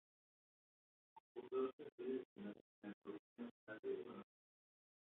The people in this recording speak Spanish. Cursó sus estudios secundarios en El Colegio Nacional de Buenos Aires.